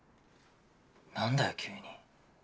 何だよ急に。